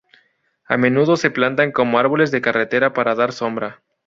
A menudo se plantan como árboles de carretera para dar sombra.